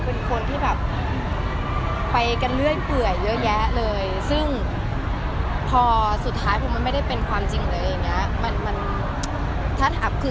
เป็นคนที่แบบไปกันเรื่อยเปื่อยเยอะแยะเลยซึ่งพอสุดท้ายพอมันไม่ได้เป็นความจริงเลยอย่างเงี้ย